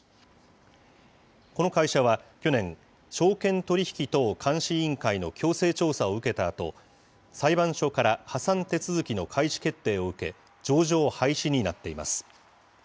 この会社は去年、証券取引等監視委員会の強制調査を受けたあと、裁判所から破産手続きの開始決定を受け、上場廃止になっています。